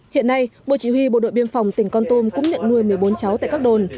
hiện nay bộ chỉ huy bộ đội biên phòng tỉnh con tum cũng nhận nuôi một mươi bốn cháu tại các đồn